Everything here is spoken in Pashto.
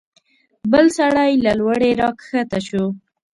بل سړی له لوړې راکښته شو.